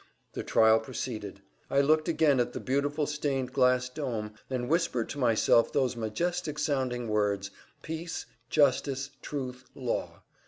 The trial proceeded. I looked again at the beautiful stained glass dome, and whispered to myself those majestic sounding words: "Peace. Justice. Truth. Law."